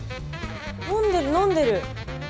飲んでる飲んでる。